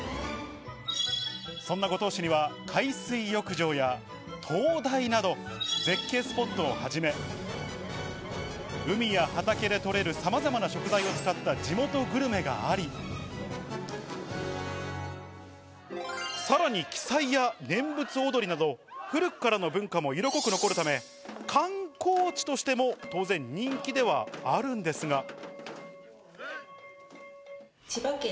そんな五島市には海水浴場や灯台など絶景スポットをはじめ、海や畑で取れるさまざまな食材を使った地元グルメがあり、さらに奇祭や念仏踊りなど、古くからの文化も色濃く残るため、観光地としても当然人気ではあるんですが。